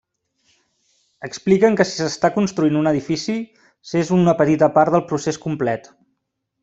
Expliquen que si s'està construint un edifici, s'és una petita part del procés complet.